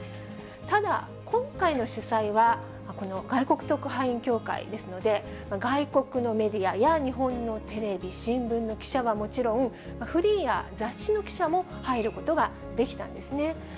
ただ、今回の主催は、この外国特派員協会ですので、外国のメディアや日本のテレビ、新聞の記者はもちろん、フリーや雑誌の記者も入ることができたんですね。